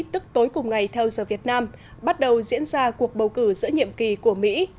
tức tối cùng ngày theo giờ việt nam bắt đầu diễn ra cuộc bầu cử giữa nhiệm kỳ của mỹ